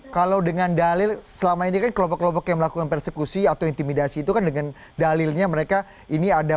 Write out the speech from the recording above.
kalau dengan dalil selama ini kan kelompok kelompok yang melakukan persekusi atau intimidasi itu kan dengan dalilnya mereka ini ada